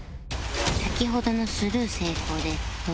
先ほどのスルー成功でノ